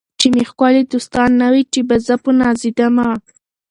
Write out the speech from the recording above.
چي مي ښکلي دوستان نه وي چي به زه په نازېدمه